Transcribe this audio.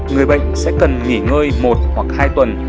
người bệnh sẽ cần nghỉ ngơi một hoặc hai tuần